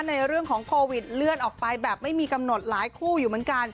ในเรื่องของโควิดเลื่อนออกไปแบบไม่มีกำหนดหลายคู่อยู่เหมือนกัน